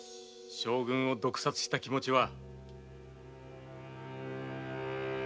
将軍を毒殺した気持ちは。